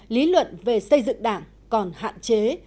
lý luận về xây dựng đảng còn hạn chế